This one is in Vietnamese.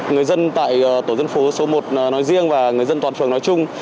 người dân tại tổ dân phố số một nói riêng và người dân toàn phường nói chung